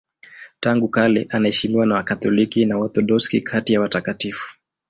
Tangu kale anaheshimiwa na Wakatoliki na Waorthodoksi kati ya watakatifu.